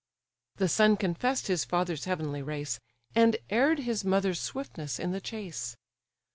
The son confess'd his father's heavenly race, And heir'd his mother's swiftness in the chase.